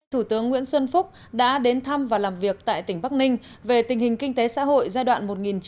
thủ tướng nguyễn xuân phúc đã đến thăm và làm việc tại tỉnh bắc ninh về tình hình kinh tế xã hội giai đoạn một nghìn chín trăm chín mươi bảy hai nghìn bảy mươi sáu